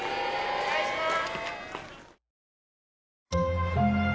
お願いします。